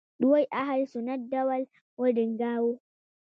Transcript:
دوی اهل سنت ډول وډنګاوه